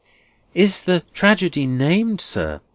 "Is the tragedy named, sir?"